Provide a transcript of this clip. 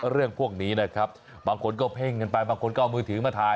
เรื่องพวกนี้นะครับบางคนก็เพ่งกันไปบางคนก็เอามือถือมาถ่าย